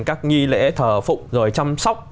các nghi lễ thờ phụ rồi chăm sóc